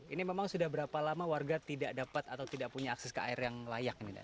ini memang sudah berapa lama warga tidak dapat atau tidak punya akses ke air yang layak ini